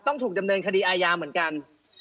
ต้องถูกดำเนินคดีอาญาเหมือนกัน